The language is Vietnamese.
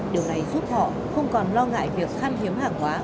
điều này giúp họ không còn lo ngại việc khăn hiếm hàng hóa